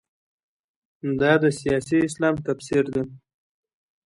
دا د سیاسي اسلام تفسیر ده.